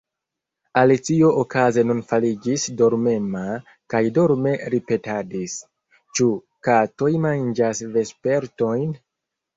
Alicio okaze nun fariĝis dormema, kaj dorme ripetadis:—"Ĉu katoj manĝas vespertojn? »